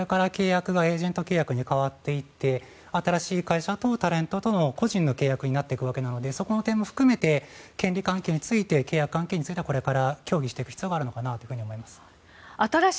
これから契約がエージェント契約に変わっていって新しい会社とタレントとの個人の契約になっているわけなのでそこの点も含めて権利関係について契約関係についてはこれから協議していく必要があるのかなと思います。